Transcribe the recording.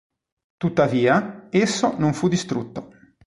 Tuttavia, esso non fu distrutto.